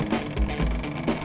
iya kok tahu